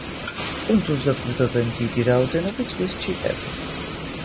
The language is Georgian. კუნძულზე ბუდობენ დიდი რაოდენობით ზღვის ჩიტები.